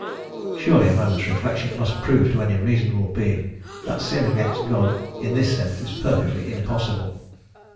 Surely a moment's reflection must prove to any reasonable being that sin against God in this sense is perfectly impossible.